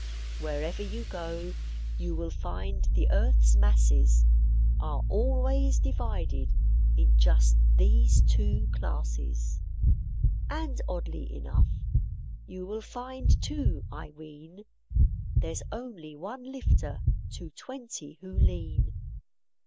Wherever you go, you will find the earth's masses, Are always divided in just these two classes. And oddly enough, you will find too, I ween, There's only one lifter to twenty who lean.